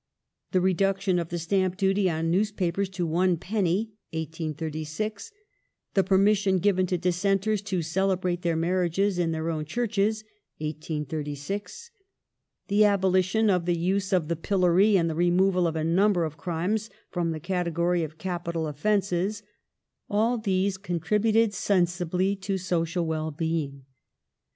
The reduction of the stamj) duty on newspapers to one penny (1886) ; the permission given to Dissenters to cele brate their maii iages in their own Chapels (1836); the abolition of the use of the pillory, and the removal of a number of crimes from the category of capital offences — all these contributed sensibly to social well being.